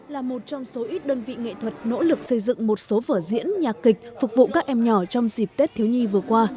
là một trong số ít đơn vị nghệ thuật nỗ lực xây dựng một số vở diễn nhạc kịch phục vụ các em nhỏ trong dịp tết thiếu nhi vừa qua